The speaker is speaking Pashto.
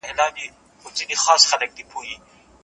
واهبه ميرمن کله له خپلي هبې څخه رجوع کولای سي؟